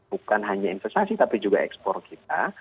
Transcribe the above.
bukan hanya investasi tapi juga ekspor kita